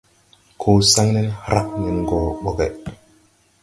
Koo saŋne hrag nen gɔ bɔgge.